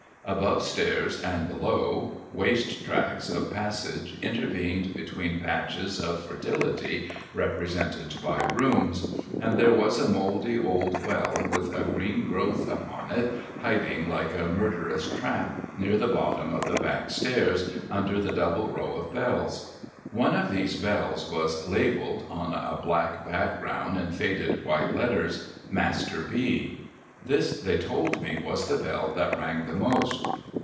Above stairs and below, waste tracts of passage intervened between patches of fertility represented by rooms ; and there was a mouldy old well with a green growth upon it, hiding like a murderous trap, near the bottom of the back stairs, under the double row of bells. One of these bells was labelled, on a black ground in faded white letters, Master B. This, they told me, was the bell that rang the most.